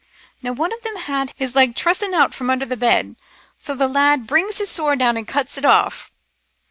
" Now one of them had his leg thrussen out from under bed, so t' lad brings his sword down and cuts it off.